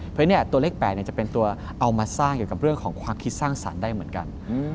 เพราะฉะนั้นตัวเลข๘จะเป็นตัวเอามาสร้างเกี่ยวกับเรื่องของความคิดสร้างสรรค์ได้เหมือนกัน